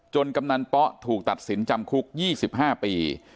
กำนันป๊อถูกตัดสินจำคุก๒๕ปี